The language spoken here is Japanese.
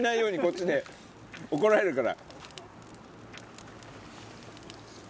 怒られるから。